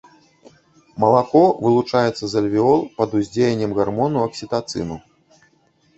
Малако вылучаецца з альвеол пад уздзеяннем гармону аксітацыну.